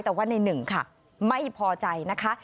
แต่ว่าในหนึ่งค่ะไม่พอใจนะคะ